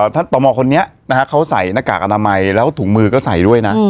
ตมคนนี้นะฮะเขาใส่หน้ากากอนามัยแล้วถุงมือก็ใส่ด้วยนะ